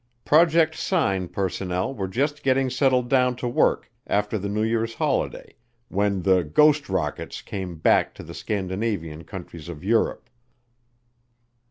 Project Sign personnel were just getting settled down to work after the New Year's holiday when the "ghost rockets" came back to the Scandinavian countries of Europe.